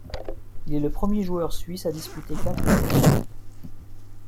Il est le premier joueur suisse à disputer quatre Coupes du monde.